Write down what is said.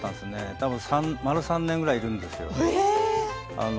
たぶん丸３年ぐらいいるんですよ。